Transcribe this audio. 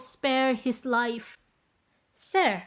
spare his life." "Sir!"